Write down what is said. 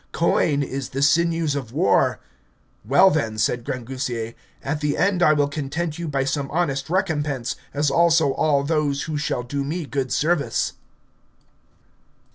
Coin is the sinews of war. Well then, said Grangousier, at the end I will content you by some honest recompense, as also all those who shall do me good service.